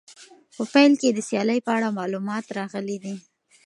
په پیل کې د سیالۍ په اړه معلومات راغلي دي.